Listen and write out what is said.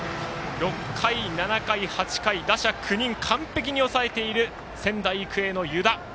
６回、７回、８回打者９人、完璧に抑えている仙台育英の湯田。